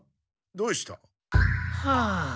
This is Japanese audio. どうした？はあ。